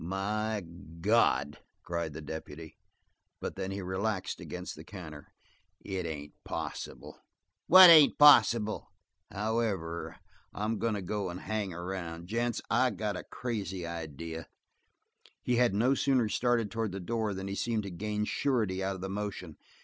"My God!" cried the deputy. But then he relaxed against the counter. "It ain't possible," he murmured. "What ain't possible?" "However, I'm goin' to go and hang around. Gents, I got a crazy idea." He had no sooner started toward the door than he seemed to gain surety out of the motion.